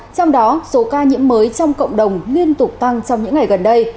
trong đó số ca nhiễm mới trong cộng đồng liên tục tăng trong những ngày gần đây